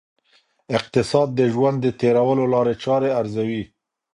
اقتصاد د ژوند د تېرولو لاري چاري ارزوي.